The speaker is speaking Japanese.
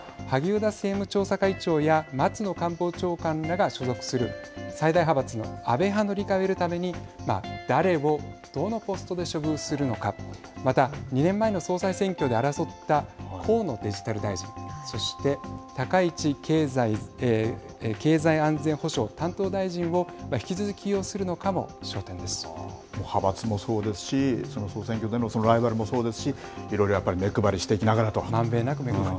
また萩生田政務調査会長や松野官房長官らが所属する最大派閥の安倍派の理解を得るために誰をどのポストで処遇するのかまた、２年前の総裁選挙で争った河野デジタル大臣そして高市経済安全保障担当大臣を引き続き派閥もそうですし総選挙でのライバルもそうですしいろいろ、やっぱり目配りしていきながらと。